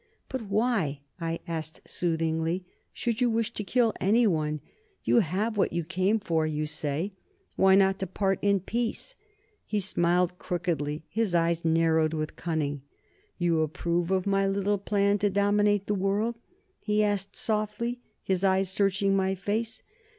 "But why," I asked soothingly, "should you wish to kill anyone? You have what you came for, you say; why not depart in peace?" He smiled crookedly, and his eyes narrowed with cunning. "You approve of my little plan to dominate the world?" he asked softly, his eyes searching my face.